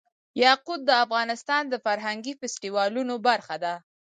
یاقوت د افغانستان د فرهنګي فستیوالونو برخه ده.